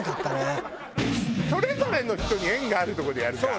それぞれの人に縁があるとこでやるから。